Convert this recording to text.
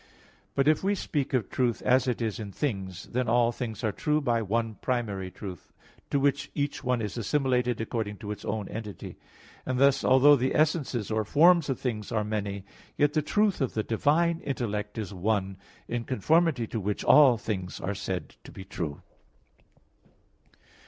But if we speak of truth as it is in things, then all things are true by one primary truth; to which each one is assimilated according to its own entity. And thus, although the essences or forms of things are many, yet the truth of the divine intellect is one, in conformity to which all things are said to be true.